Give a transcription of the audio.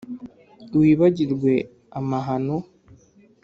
wibagirwe amahano